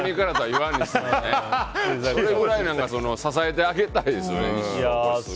それくらい支えてあげたいですね。